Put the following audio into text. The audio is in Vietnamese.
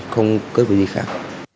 không cướp gì khác